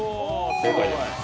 正解です。